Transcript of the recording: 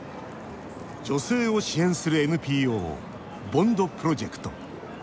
女性を支援するＮＰＯＢＯＮＤプロジェクト。